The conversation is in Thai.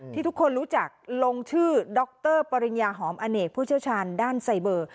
ที่ทุกคนรู้จักลงชื่อดรปริญญาหอมอเนกผู้เชี่ยวชาญด้านไซเบอร์